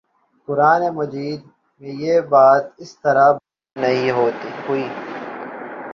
قرآنِ مجید میں یہ بات اس طرح بیان نہیں ہوئی